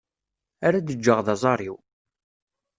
Ara d-ğğeɣ d aẓar-iw.